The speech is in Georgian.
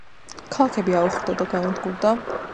ქალაქები აოხრდა და განადგურდა.